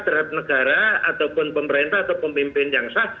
terhadap negara ataupun pemerintah atau pemimpin yang sah